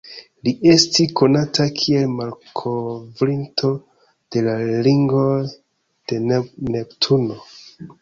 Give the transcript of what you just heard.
Li esti konata kiel malkovrinto de la ringoj de Neptuno.